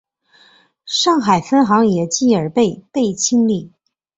上海分行也继而被被清理。